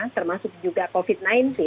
termasuk juga covid sembilan belas